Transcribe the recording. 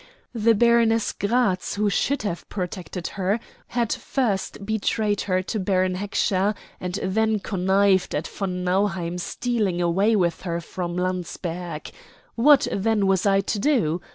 The Baroness Gratz, who should have protected her, had first betrayed her to Baron Heckscher, and then connived at von Nauheim stealing away with her from Landsberg. What then was I to do?